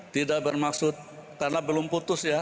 tidak bermaksud karena belum putus ya